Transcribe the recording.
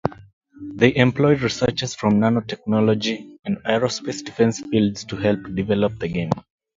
They employed researchers from nanotechnology and aerospace defense fields to help develop the game.